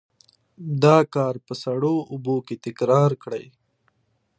دا کار په سړو اوبو کې تکرار کړئ.